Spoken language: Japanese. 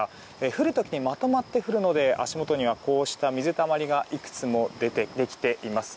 降る時、まとまって降るので足元には、こうした水たまりがいくつもできています。